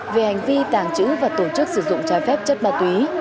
về hành vi tàng trữ và tổ chức sử dụng trái phép chất ma túy